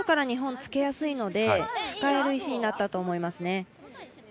これは、あとから日本、つけやすいので使える石になったと思いますね。